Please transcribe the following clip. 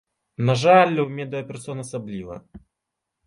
На жаль, і ў медыя-персон асабліва.